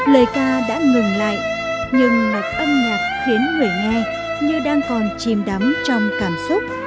lời ca đã ngừng lại nhưng mạch âm nhạc khiến người nghe như đang còn chìm đắm trong cảm xúc